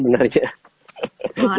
menghabiskan waktu di rumah sebenarnya